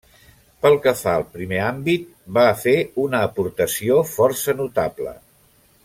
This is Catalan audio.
Pel que fa al primer àmbit, va fer una aportació força notable.